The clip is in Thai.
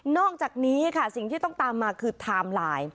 อกจากนี้ค่ะสิ่งที่ต้องตามมาคือไทม์ไลน์